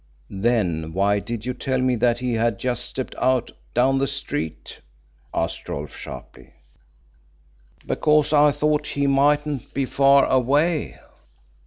"Then why did you tell me that he had just stepped out down the street?" asked Rolfe sharply. "Because I thought he mightn't be far away."